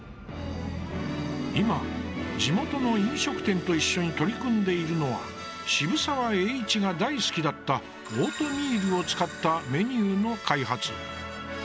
今、地元の飲食店と一緒に取り組んでいるのは渋沢栄一が大好きだったオートミールを使ったメニューの開発。